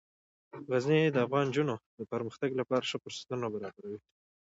غزني د افغان نجونو د پرمختګ لپاره ښه فرصتونه برابروي.